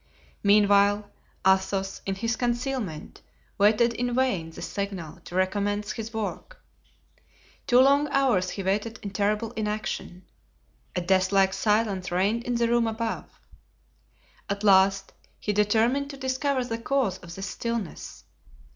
Meanwhile, Athos, in his concealment, waited in vain the signal to recommence his work. Two long hours he waited in terrible inaction. A deathlike silence reigned in the room above. At last he determined to discover the cause of this stillness.